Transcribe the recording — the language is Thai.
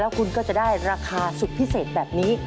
คุณก็จะได้ราคาสุดพิเศษแบบนี้